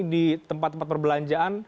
di tempat tempat perbelanjaan